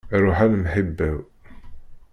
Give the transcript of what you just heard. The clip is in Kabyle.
Ruḥ a lemḥiba-w.